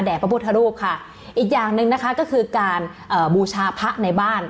พระพุทธรูปค่ะอีกอย่างหนึ่งนะคะก็คือการเอ่อบูชาพระในบ้าน